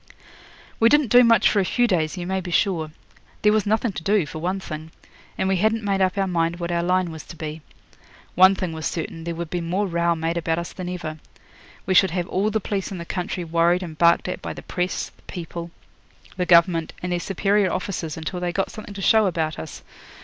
..... We didn't do much for a few days, you may be sure. There was nothing to do, for one thing; and we hadn't made up our mind what our line was to be. One thing was certain: there would be more row made about us than ever. We should have all the police in the country worried and barked at by the press, the people, the Government, and their superior officers till they got something to show about us.